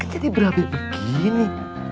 kenapa dia berhati hati begini